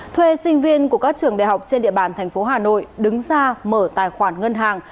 thuê sinh viên của các trường đại học trên địa bàn thành phố hà nội đứng ra mở tài khoản ngân hàng